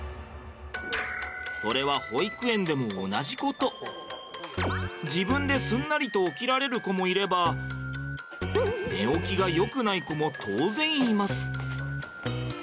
それは自分ですんなりと起きられる子もいれば寝起きが良くない子も当然います。